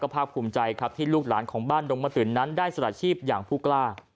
ผิวใจที่ลูกหลานบ้านดงมตื่นนั้นได้สละชีพอย่างผู้กล้า